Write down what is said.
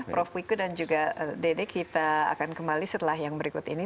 prof wiku dan juga dede kita akan kembali setelah yang berikut ini